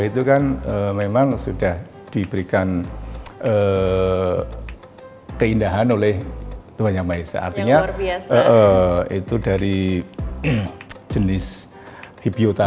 itu kan memang sudah diberikan keindahan oleh tuhan yang maha esa artinya itu dari jenis hibiota